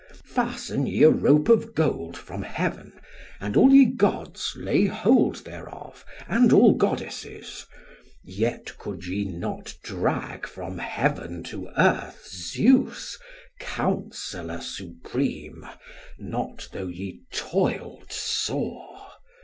Fasten ye a rope of gold from heaven, and all ye gods lay hold thereof and all goddesses; yet could ye not drag from heaven to earth Zeus, counsellor supreme, not though ye toiled sore.